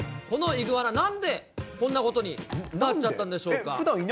このイグアナ、なんでこんなことになっちゃったんでしょうか。